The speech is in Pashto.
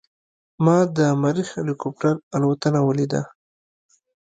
ما د مریخ هلیکوپټر الوتنه ولیدله.